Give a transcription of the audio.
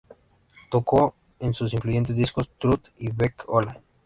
Tocó en sus influyentes discos "Truth" y "Beck-Ola".